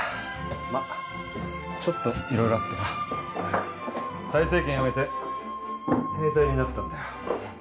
まあちょっと色々あってな泰西軒辞めて兵隊になったんだよ